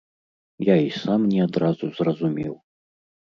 Я і сам не адразу зразумеў.